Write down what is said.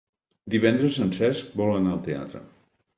Divendres en Cesc vol anar al teatre.